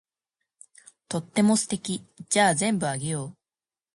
とっても素敵。じゃあ全部あげよう。